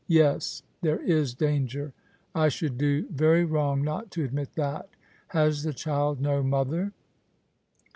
"Yes, there is danger. I should do very wrong not to admit that. Has the child no mother